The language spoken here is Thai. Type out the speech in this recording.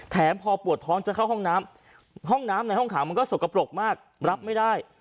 พอปวดท้องจะเข้าห้องน้ำห้องน้ำในห้องขังมันก็สกปรกมากรับไม่ได้